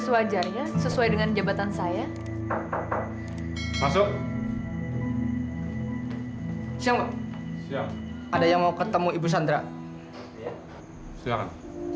sewajarnya sesuai dengan jabatan saya masuk siap ada yang mau ketemu ibu sandra ya silakan